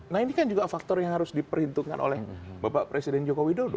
nah ini kan juga faktor yang harus diperhitungkan oleh bapak presiden joko widodo